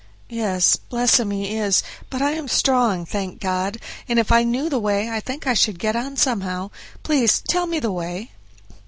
"Yes, bless him, he is; but I am strong, thank God, and if I knew the way I think I should get on somehow; please tell me the way."